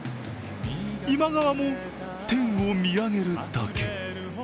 今川も、天を見上げるだけ。